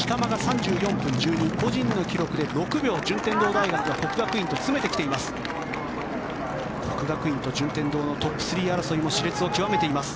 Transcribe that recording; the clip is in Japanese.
四釜が３４分１２個人の記録で６秒順天堂が國學院と詰めてきています。